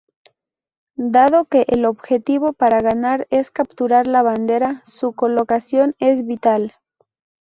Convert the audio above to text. Dado que el objetivo para ganar es capturar la bandera, su colocación es vital.